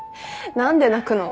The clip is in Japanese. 何で泣くの？